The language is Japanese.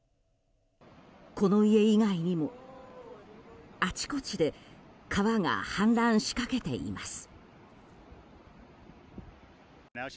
この家以外にもあちこちで川が氾濫しかけています。